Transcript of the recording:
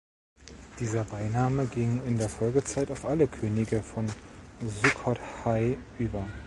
Dieser Beiname ging in der Folgezeit auf alle Könige von Sukhothai über.